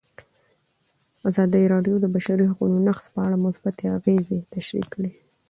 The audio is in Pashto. ازادي راډیو د د بشري حقونو نقض په اړه مثبت اغېزې تشریح کړي.